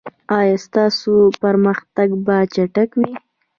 ایا ستاسو پرمختګ به چټک وي؟